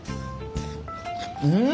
うん！